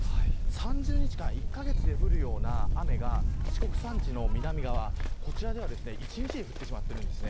３０日間、１カ月で降るような雨が四国山地の南側、こちらでは１日に降ってしまっています。